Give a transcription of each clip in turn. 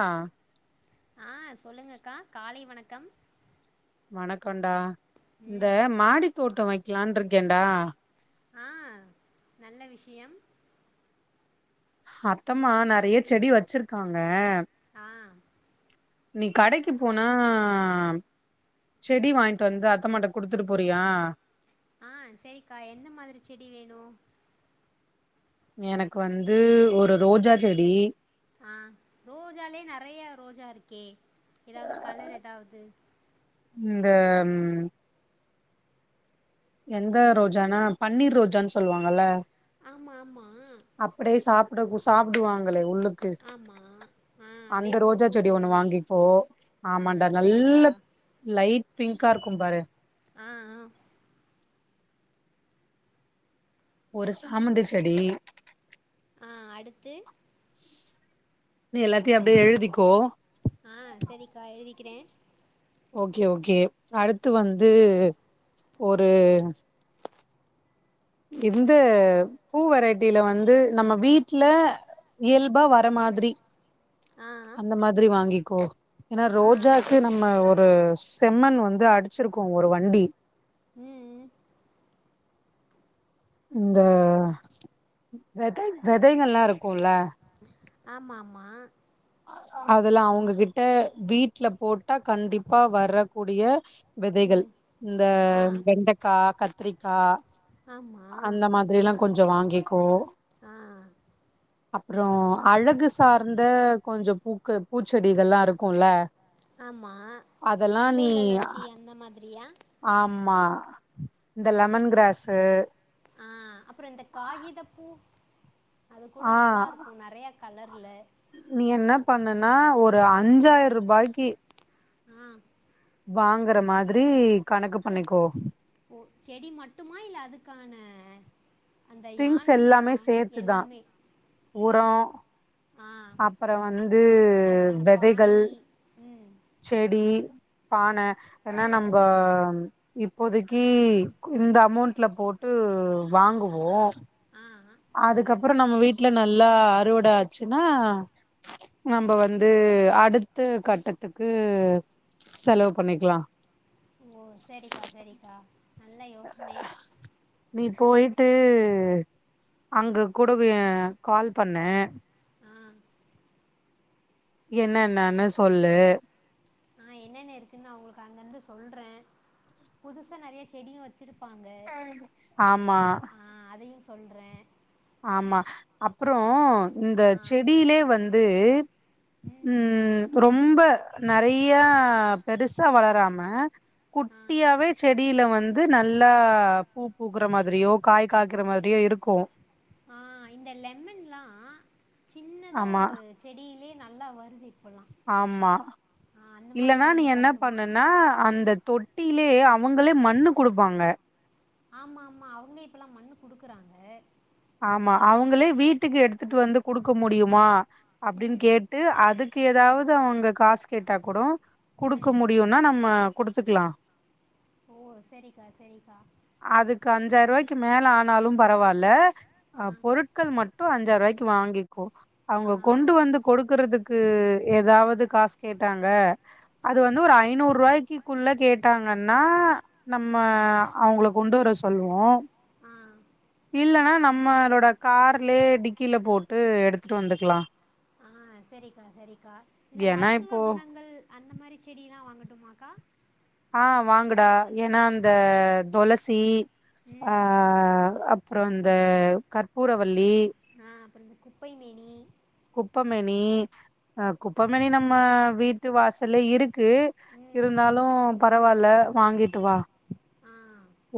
ஆஹ் ஆஹ் சொல்லுங்க கா காலை வணக்கம் வணக் கொண்டா இந்த ம் மாடி தோட்டம் வைக்க க்கலான்டிருக்கேண்டா ஆஹ் நல்ல விஷயம் அத்தம்மா நெறைய செடி வெச்சிருக்காங்க ஆன் நீ கடைக்கு போனா செடி வாய்ன்ட்டு வந்து அத்தமாட்ட குடுத்துட்டு போறியா ஆஹ் செரிக்கா எந்த மாதிரி செடி வேணு எனக்கு வந்து ஒரு ரோஜா செடி ஆஹ் ரோஜாலே நறையா ரோஜா இருக்கே எதாவது கலர் எதாவது இந்த எந்த ரோஜானா பன்னீர் ரோஜான்னு சொல்லுவாங்கல்ல ஆமா ஆமா கூட சாபுடுவாங்களே உள்ளூ ஆமாம் ஆ அந்த அப்படியே பூ ரோஜா செடி பூத்த ஒண்ணு உடனே வாங்கிக்கோ ஆ ஆமாடா நல்ல சரிக்கா லைட் பிங்க்கா இருக்கும்பாரு ஆ ஆ ஒரு சாமந்தி செடி ஆ அடுத்து நீ எல்லாத்தையும் அப்படியே எழுதிக்கோ ஆ சரிக்கா எழுதிக்கிறேன் ஓகே ஓகே அடுத்து வந்து ஒரு இந்த பூ வெரைட்டில வந்து நம்ம வீட்ல இயல்பா வர மாதிரி ஆ அந்த மாதிரி வாங்கி கோ ஏனா ஆ ரோஜாக்கு நம்ம ஒரு ச் செம்மன் வந்து அடிச்சிருக்கோ ஒரு வண்டி உம் உம் இந்த வெத வெதைகள்லா இருக்கூல ஆமா ஆமா அதுல அவங்ககிட்ட வீட்டுல போட்டா கண்டிப்பா வரக்கூடிய வெதைகள் ம் இந்த ஆ வெண்டக்கா கத் த்திரிகா ஆமா கொஞ்சொ வாங்கிக்கோ ஆ அப்புறோ அழகு சார்ந்த கொஞ்சொ பூக்க பூச்செடிகல்லா இருக்குல்ல ஆமா அதெல்லா நீ இலைகள் வெச்சு அந்த மாதிரியா ஆமா இந்த லெமன் கிராஸ்ஸு ஆஹ் அப்புற இந்த காகித பூ அது கூட ஆ நல்லா இருக்கு நெறைய கலர்ல நீ என்ன பண்ணுனா ஒரு அஞ்சாயிர ரூபாய்க்கு ஆஹ் வாங்கற மாதிரி கணக்கு பண்ணிக்கோ ஓ செடி மட்டுமா இல்ல அதுக்கான அந்த திங்ஸ் எல்லாமே யானமுமா சேர்த்துதா எல்லாமே உரொ ஆ அப்புற வந்து அதுக்கான பானை வெதைகள் ம் செடி பான ஏன்னா நம்ப இப்போதைக்கு இந்த அமௌண்ட்ல போட்டு வாங்குவோ ஆ அதுக்கப்புறொ நம்ம வீட்ல நல்லா அறுவட ஆச்சுன்னா நம்ப வந்து அடுத்த கட்டத்துக்கு செலவு பண்ணிக்லா ஓ சரிக்கா சரிக்கா நல்ல யோசனை நீ போயிட் ட்டு அங்க கூட ஆ கால் பண்ணு ஆ என்னனனு சொல்லு ஆஹ் என்னன்ன இருக்குன்னு நா உங்களுக்கு அங்க இருந்து சொல்றே புதுசா நெறைய செடியு வச்சிருப் ஆமா சொல்றே ஆமா அப்ரோ இந்த ஆ செடியிலே வந்து ம் உம் ரொம்ப நெறைய பெருசா வளராம ஆ குட்டியாவே செடியில வந்து நல்லா பூ பூக்குற மாதிரியோ காய் காய்க்குற மாதிரியோ இருக்கு ஆஹ் இந்த லெமன்ல்லா சின்னதா ஆமா ஒரு செடியிலே நல்லா வருது இப்போல்லாம் ஆமா ஆ அந்த மாதிரி இல்லனா நீ வாங்கிட்டு என்ன வரட்டுமா பண்ணனா அந்த தொட் ட்டிலே அவுங்களே மண்ணு குடுப்பாங்க ஆமா ஆமா அவ்ங்களே இப்பலா மண்ணு குடுக்குறாங்க ஆமா அவுங்களே வீட்டுக்கு எடுத்துட்டு வந்து குடுக்க முடியுமா அப்டின் ம் கேட்டு அதுக்கு எதாவ்து இது அவ்ங்க காசு கேட்டா கூட ம் குடுக்க முடியுனா நம்ம குடுத்துக்லா ஓ சரிக்கா சரிக்கா அதுக்கு அஞ்சாயிர்ரூவாய்க்கு மேல ஆனாலு பரவால்ல ஆ அஹ் பொருட்கள் மட்டு அஞ்சாயர்ரூவாய்க்கி வாங்கிக்கோ அவுங்க கொண்டு வந்து கொடுக்கறத்துக்கு எதாவ்து காசு கேட்டாங்க அது வந்து ஒரு ஐநூற்ருவாய்க்கிக்குள்ள கேட்டாங்கனா நம்ம அவ்ங்கள கொண்டு வர சொல்லுவோ உம் இல்லனா நம் ம்மா அதோட கார்லே டிக்கில போட்டு எடுத்துட்டு வந்துக்லா ஆஹ் செரிக்கா செரிக்கா இதுல ஏன்னா மருத்துவ இப்போ குணங்கள் அந்த மாரி செடிலா வாங்க ட்டுமாக்கா ஆஹ் வாங்குடா ஏனா அந்த தொளசி ம் ஆஹ் அப் அப்றோ இந்த கற்பூரவள் ளி குப்பைமேணி குப்பமேணி அஹ் குப்பமேணி நம்ம வீட்டு வாசல்லே இருக் கு ம் இருந்தாலு பரவால்ல அஹ் வாங்கிட்டு வா ஆ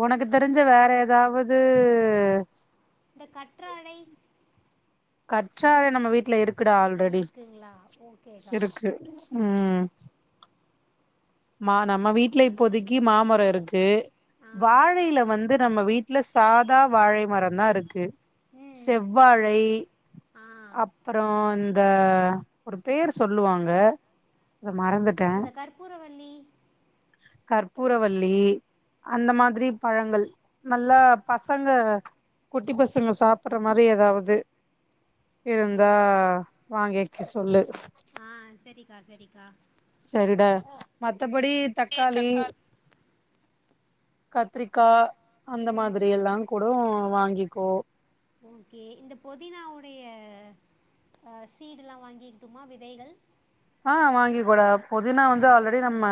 ஒனக்கு தெரிஞ்ச வேற எதாவது இந்த கற்றாழை கற்றாழ நம்ம வீட்ல இருக் குடா ஆல்ரெடி இருக்குங்களா ஓகேக்கா இருக்கு உம் மா நம்ம வீட்ல இப்போதைக்கு மாமர இருக்கு ஆ வாழைல வந்து நம்ம வீட்ல சாதா வாழை மரம் தா இருக்கு ம் ம் செவ்வாழை ஆ அப்றோ அந் இந்த ஒரு பேரு சொல்லுவாங்க அத மறந்துட்ட அந்தந்த கற்பூரவல்லி கற்பூரவல்லி அந்த மாதிரி பழங்கள் நல்லா பசங்க குட்டி பசங்க சாப்புட்ற மாரி எதாவ்து இருந்தா வாங்கவைக்க சொல்லு ஆஹ் செரிக்கா செரிக்கா செரிடா மத்தபடி தக்காளி கத்திரிக்கா அந்த ம் மாதிரி எல்லாங் கூட வாங்கிக்கோ ஓகே இந்த பொதினாவுடைய அ சீடுல்லா வாங்கிக்ட்டுமா விதைகள் ஆ வாங்கிக்கோடா பொதினா வந்து ஆல்ரெடி நம்ம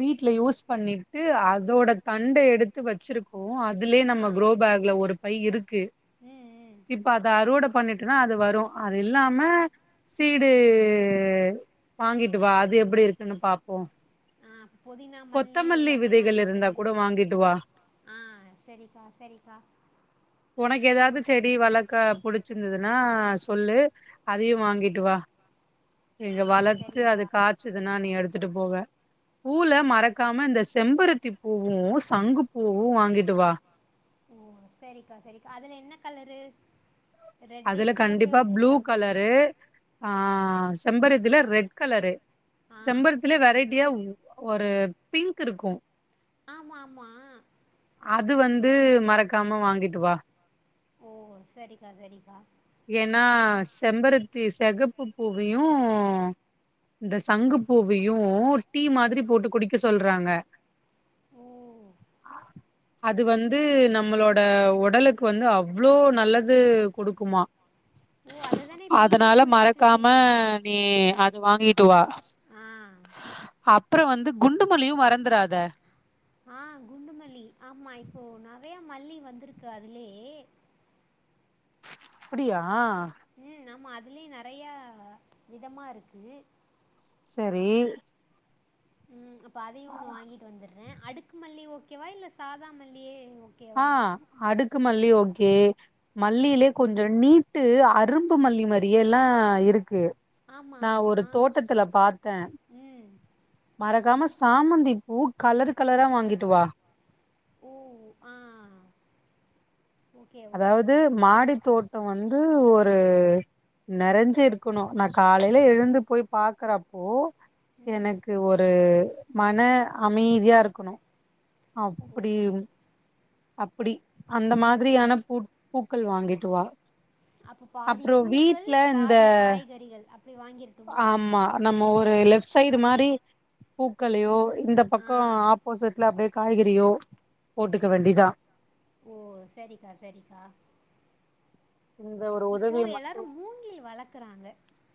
வீட்ல யூஸ் பண்ணிட்டு அதோட தண்டு எடுத்து வச்சிருக்கோ அதுலயே ஆ நம்ம குரோ பேக்ல ஒரு பை இருக் கு ம் ம் இப்ப அத அறுவட பண்ணிட்டுனா அது வரு அது இல்லாம சீடு வாங்கிட்டு வா அது எப்டி இருக்குன்னு பாப்போ ஆ புதினா மல்லி கொத்தமல்லி எல்லாமே விதைகள் இருந்தா வாங்கிக்கிறே கூட வாங்கிட்டு வா ஆ சரிக்கா சரிக்கா ஒனக்கு ஏதாது செடி வளக்க புடிச்சிருந்ததுன்னா சொல்லு அதையு வாங்கிட்டு வா ஆ இங்க வளத்து சரிக்கா அது காய்சதுன்னா நீ எடுத்துட்டு போக பூல ஆ மறக்காம இந்த செம்பருத்தி பூவு சங்கு பூவு வாங்கிட்டு வா ஓ சரிக்கா சரிக்கா அதுல என்ன கலரு ரெட்டு அதுல சிவப்பே கண்டிப்பா ப்ளூ வச்சுக்கலாமா கலரு ஆ செம்பருத்தில ரெட் கலரு ஆ செம்பருத்தில வெரைட்டியா ஒரு பிங்க் இருக்கு ஆமாமா அது வந்து மறக்காம வாங்கிட்டு வா ஓ சரிக்கா சரிக்கா ஏன்னா செம்பருத்தி செகப்பு பூவயு இந்த சங்கு பூவையு டீ மாதிரி ம் போட்டு குடிக்க சொல்றாங்க ஓ ஆ அது வந்து நம்மளோட ஒடலுக்கு வந்து அவ்ளோ நல்லது கொடுக்குமா ஓ அதை தானே இப்போ அதனால நீங்களும் மறக்காம குடிச்சிட்ருக்கீங்க நீ து வாங்கிட்டு வா ஆ அப்புறோ வந்து குண்டு மல்லியு மறந்துறாத ஆ குண்டுமல்லி ஆமா இப்போ நா நறையா மல்லி வந்திருக்கு அதுலே அப்டியா ம் ஆமா அது அதுலயு நெறைய விதமா இருக்கு சரி ம் ப்ப அதையு ஒன்னு வாங்கிட்டு வந்துடுற அடுக்கு மல்லி ஓக் கேவா இல்ல சாதாமல்லியே ஆ அடுக்கு மல்லி ஓகே கே மல்லிலே கொஞ்சோ நீட்டு அரும்பு மல்லி மாரியெல்லா இருக்கு ஆமாம் நா ஒரு ஆமாம் தோட்டத்துல பாத்தே ம் மற கம சாமந்தி பூ கலரு கலரா வாங்கிட்டு வா உ ஆ ஓகே அதாவது ஓகேக்கா மாடி தோட்டோ வந் து ஒரு நெறஞ்சு இருக்குணு நா காலைல எழுந்து போய் பாக்கற அப்போ ம் எனக்கு ஒரு மன அமைதியா இருக்கணு அப்டிவும் அப்பிடி அந்த மாத்ரியான பூட் பூக்கள் வாங்கிட்டு வா அப்போ பாதி அப்றோ பூக்கள் வீட்ல இந்த பாதி காய்கறிகள் அ ஆமா நம்ம ஒரு ரு லெஃப்ட் சைட்டு மாரி பூக்களையோ இந்த ஆ பக்கோ ஆப்போசிட்ல அப்டே காய்கறியோ போட்டுக்க வேண்டிதா ஓ செரிக்கா செரிக்கா இந்த ஒரு இப்போ உதவிய மட்டு எல்லாரோ மூங்கில் வள க்குறாங்க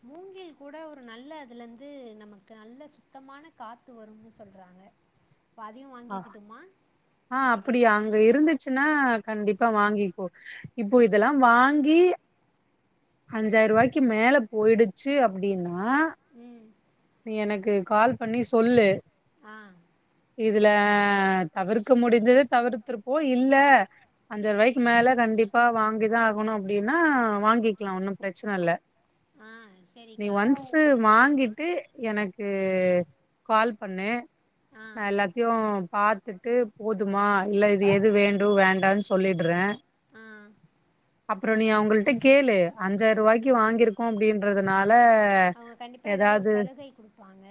மூங்கில் கூட ஒரு நல்ல அதுலந்து நமக் நல்ல சுத்தமான காத்து வரும்னு சொல்றாங்க ஆ ஆ அப்பிடியா அங்க இருந்து சுன்னா கண்டிப்பா வாங்கிக்கோ இப்போ இதெல்லா வாங்கி அஞ்சாயி ரூவாய்க்கு மேல போயிடுச்சு அப்டின்னா ஆ ம் நீ எனக்கு கால் பண்ணி சொல்லு ஆ இதுல தவிர்க்க முடிஞ்சுது தவிர்த்துருப்போ இல்ல அஞ்சாயிரூவாய்க்கு மேல கண்டிப்பாக வாங்கி தா ஆகணு அப்டின்னா வாங்கிக்ளா ஒன்னு பிரச்சன இல்ல ஆ நீ சரிக்கா ஒன்ஸ்சு வாங்கிட் டு எனக்கு கால் பண்ணு ஆ நா எல்லாத்தியு பாத்துட்டு போதுமா இல்ல இது எது வேண்டு வேண்டான்னு சொல்லிட்றே ஆ அப்றோ நீ அவுங்குள்ட கேளு அஞ்சாயிரூவாய்க்கு வாங்கிருக்கோ அப்டின்றதுனால் ல்ல எதாது வாங்க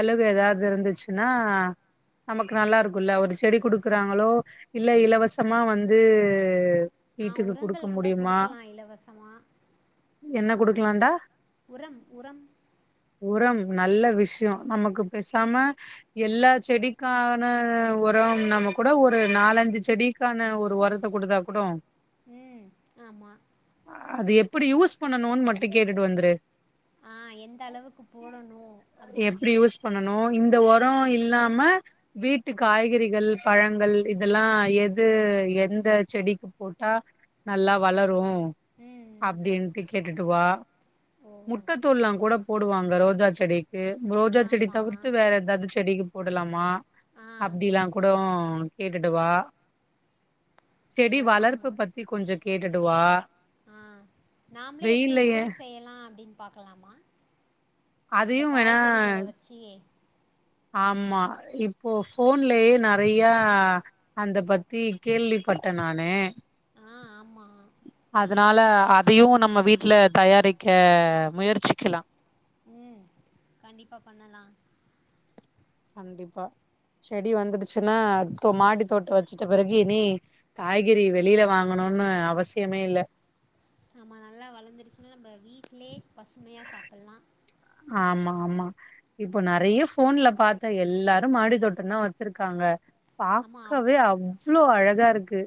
சழுக எதாது இருந்துச்சுன்னா நமக்கு நல்லா இருக்குல்ல ஒரு செடி கொடுக்குறாங்களோ இல்ல இலவசமா வந்து ஆ வீட்டுக்கு குடுக்க உரங்கள் கூட முடியுமா குடுக்கலா இலவசமா என்ன குடுக்கலான்டா உரம் உரம் உரம் நல்ல விஷயம் நமக்கு பேசாம எல்லா செடிக்கான உர நாம கூட ஒரு நாலஞ்சு செடிக்கான ஒரு ஒரத்த குடுத்தா கூட ம் ஆமா அது எப்டி யூஸ் பண்ணணுனு மட்டு கேட்டுட்டு வந்துரு ஆ எந்த அளவுக்கு போடணும் அப்படின்னு எப்டி யூஸ் பண்ணனு இந்த ஒரோ இல்லாம வீட்டு காய்கறிகள் பழங்கள் இதெல்லா எது எந்த செடிக்கு போட்டா நல்லா வளரு ம் அப்டின்ட்டு கேட்டுட்டு டு வா ஓ முட்ட தூள்லா கூட டுவாங்க ரோஜா செடிக் ரோஜா செடி தவிர்த்து ஆமாம் வேற எதாவ்து செடி போடலாமா ஆ அப்டிலா கூடோ கேட்டுட்டுவா செடி ஓ வளர்ப்பு ஆமாம் பத்தி கொஞ்சோ கேட் டுவா ஆ நாமளே எப்டி உரம் செய்யலா அப்டின்னு பாக்கலாமா இந்த அதையு வேணா காய்கறிகல வெச்சி ஆமா இப்போ ஃபோன்லயே நெறயா அந்த பத்தி கேள்விப்பட்ட நானு ஆ ஆமாம் அதனால அதையு நம்ம வீட்ல தயாரிக்க முயற்சி உம் கண்டிப்பா பண்ணலா கண்டிப்பா செடி வந்துடுச்சுன்னா மாடி தோட்ட வெச்சுட்ட பிறகு இனி காய்கறி வெளியில வாங்கணும்னு அவசியமே இல்ல ஆமா நல்லா வளர்ந்துருச்சுன்னா நம்ம வீட்லயே பசுமையா சாப்புடலாம் ஆமா ஆமா இப்போ நெறையா போன்ல பாத்தா எல்லாரு மாடித்தோட்டம் தா வெச்சிருக்காங்க பாக்கவே அவ் அவ்ளோ அழகா இருக்கு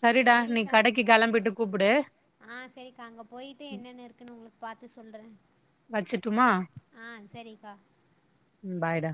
சரிடா நீ செரிக்கா கடைக்கு கெளம்பிட்டு கூப்புடு ஆஹ் செரிக்கா அங்க போயிட்டு என்னென்ன இருக்குன்னு உங்களுக்கு பாத்து சொல்ற டுமா ஆஹ் செரிக்கா பாய் டா